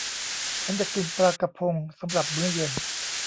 ฉันจะกินปลากระพงสำหรับมื้อเย็น